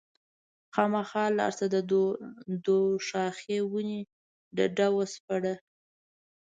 مخامخ لاړه شه د دوشاخې ونې ډډ وسپړه